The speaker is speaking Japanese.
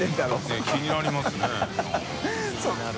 佑気になりますね何か。